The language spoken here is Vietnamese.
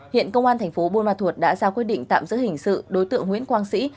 hiện công an tp bôn ma thuột đã ra quyết định tạm giữ hình sự đối tượng nguyễn quang sĩ